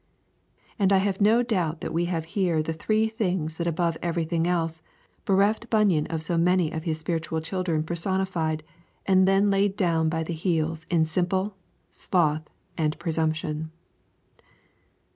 And I have no doubt that we have here the three things that above everything else bereft Bunyan of so many of his spiritual children personified and then laid down by the heels in Simple, Sloth, and Presumption.